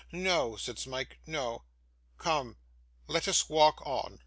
'No,' said Smike, 'no. Come, let us walk on.